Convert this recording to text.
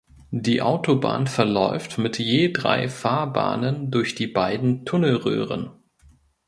Die Autobahn verläuft mit je drei Fahrbahnen durch die beiden Tunnelröhren.